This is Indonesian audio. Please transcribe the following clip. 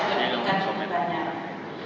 juga meningkat cukup banyak